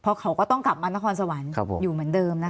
เพราะเขาก็ต้องกลับมานครสวรรค์อยู่เหมือนเดิมนะคะ